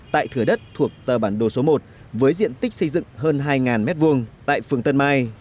tại thừa đất thuộc tờ bản đồ số một với diện tích xây dựng hơn hai m hai tại phường tân mai